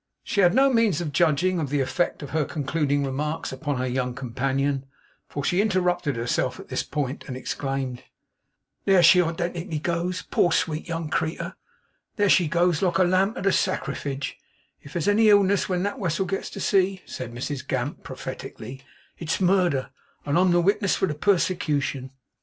She had no means of judging of the effect of her concluding remarks upon her young companion; for she interrupted herself at this point, and exclaimed: 'There she identically goes! Poor sweet young creetur, there she goes, like a lamb to the sacrifige! If there's any illness when that wessel gets to sea,' said Mrs Gamp, prophetically, 'it's murder, and I'm the witness for the persecution.